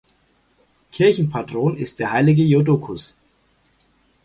Kirchenpatron ist der heilige Jodokus.